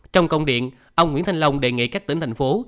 trong công điện ông nguyễn thanh long đề nghị các tỉnh thành phố